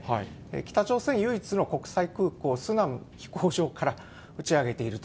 北朝鮮唯一の国際空港スナン飛行場から撃ち上げていると。